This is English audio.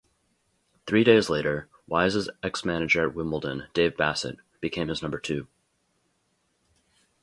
Three days later, Wise's ex-manager at Wimbledon, Dave Bassett, became his number two.